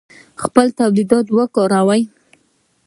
خپل تولیدات وکاروئ